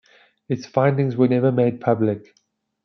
Its findings were never made public.